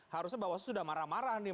harusnya bawaslu sudah marah marah nih